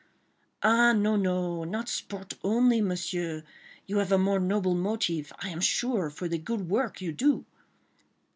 "Ah, no, no, not sport only, Monsieur ... you have a more noble motive, I am sure, for the good work you do."